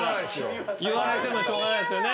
言われてもしょうがないですよね。